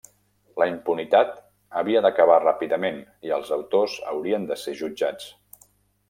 La impunitat havia d'acabar ràpidament i els autors haurien de ser jutjats.